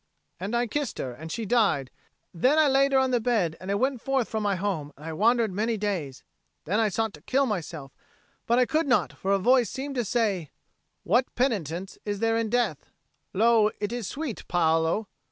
And I kissed her, and she died. Then I laid her on her bed, and I went forth from my home; and I wandered many days. Then I sought to kill myself, but I could not, for a voice seemed to say, 'What penitence is there in death? Lo, it is sweet, Paolo!'